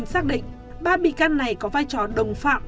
xác định ba bị can này có vai trò đồng phạm